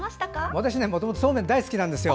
私もともとそうめん大好きなんですよ。